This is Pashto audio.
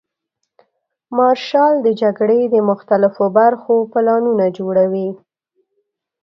مارشال د جګړې د مختلفو برخو پلانونه جوړوي.